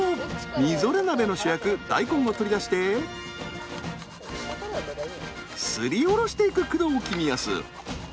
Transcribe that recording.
みぞれ鍋の主役大根を取り出してすりおろしていく工藤公康。